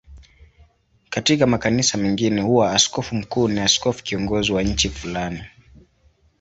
Katika makanisa mengine huwa askofu mkuu ni askofu kiongozi wa nchi fulani.